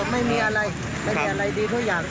ไม่มีอะไรไม่มีอะไรดีทุกอย่าง